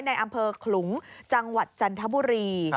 ในอำเภอขลุงจังหวัดจันทบุรี